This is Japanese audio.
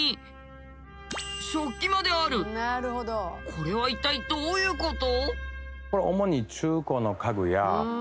これは一体どういうこと？